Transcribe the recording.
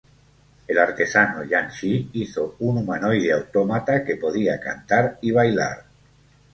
El artesano Yan Shi hizo un humanoide autómata que podía cantar y bailar.